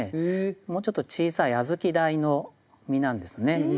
もうちょっと小さい小豆大の実なんですね。